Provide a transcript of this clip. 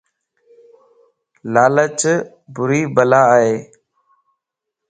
لالچ ڀري بلا ائي